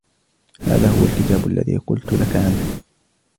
هذا هو الكتاب الذي قلت لك عنه.